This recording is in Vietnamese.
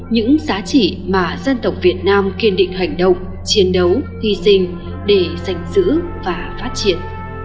những giá trị mà dân tộc việt nam kiên định hành động chiến đấu hy sinh để giành giữ và phát triển